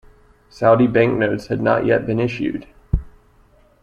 Saudi bank notes had not yet been issued.